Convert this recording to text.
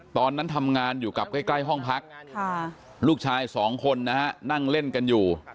ตอนนั้นทำงานอยู่กับใกล้ห้องพักลูกชายสองคนนะฮะนั่งเล่นกันอยู่